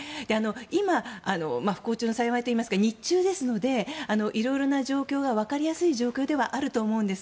今、不幸中の幸いというか日中ですので色々な状況がわかりやすい状況だと思うんです。